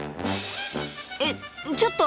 えっちょっと！